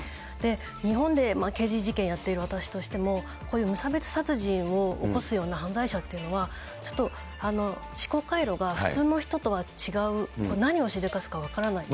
日本で刑事事件やっている私としても、こういう無差別殺人を起こすような犯罪者っていうのは、ちょっと思考回路が普通の人とは違う、何をしでかすか分からない。